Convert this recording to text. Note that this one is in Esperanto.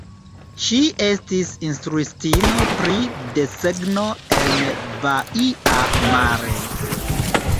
Ŝi estis instruistino pri desegno en Baia Mare.